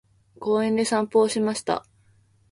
公園で散歩をしました。